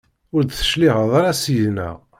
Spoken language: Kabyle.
Ur d-tecliɛeḍ ara seg-neɣ.